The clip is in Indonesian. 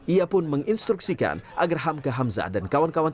ia pun menginstruksikan agar hamka hamza dan kawan kawannya